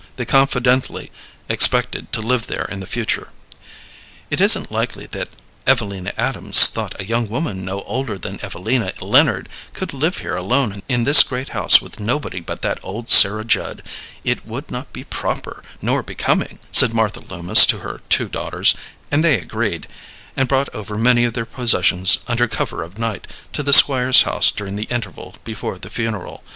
They confidently expected to live there in the future. "It isn't likely that Evelina Adams thought a young woman no older than Evelina Leonard could live here alone in this great house with nobody but that old Sarah Judd. It would not be proper nor becoming," said Martha Loomis to her two daughters; and they agreed, and brought over many of their possessions under cover of night to the Squire's house during the interval before the funeral.